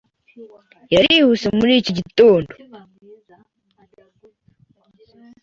yarihuse muri iki gitondo.